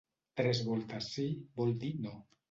Tres voltes sí, vol dir no.